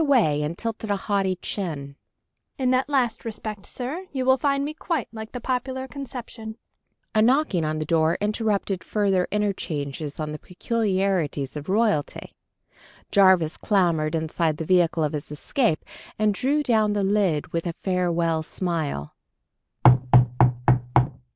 She turned away and tilted a haughty chin. "In that last respect, sir, you will find me quite like the popular conception." A knocking on the door interrupted further interchanges on the peculiarities of royalty. Jarvis clambered inside the vehicle of his escape, and drew down the lid, with a farewell smile.